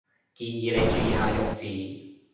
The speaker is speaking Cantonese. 建議你注意下用字